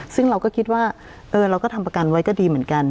ซึ่งเราก็คิดว่าเราก็ทำประกันไว้ก็ดีเหมือนกัน